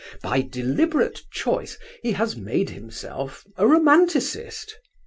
By deliberate choice he has made himself a romanticist.